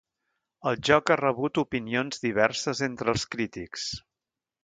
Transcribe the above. El joc ha rebut opinions diverses entre els crítics.